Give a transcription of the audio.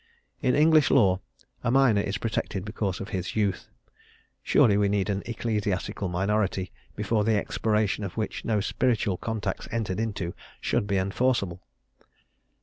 In English law a minor is protected because of his youth; surely we need an ecclesiastical minority, before the expiration of which no spiritual contracts entered into should be enforceable.